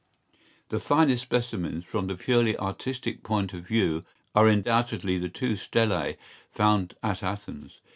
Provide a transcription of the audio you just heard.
¬Ý The finest specimens, from the purely artistic point of view, are undoubtedly the two stelai found at Athens.